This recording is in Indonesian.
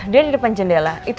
dia di depan jendela